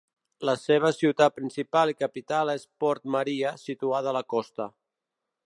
La seva ciutat principal i capital és Port Maria, situada a la costa.